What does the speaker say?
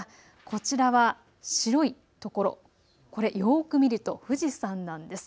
こちら、白い所、これよく見ると富士山なんです。